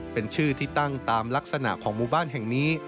เป็นชื่อที่ตั้งตามลักษณะของหมู่บ้านแห่งนี้